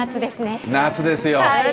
夏ですよ。